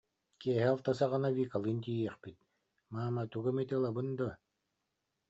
Киэһэ алта саҕана Викалыын тиийиэхпит, маама, тугу эмит ылабын дуо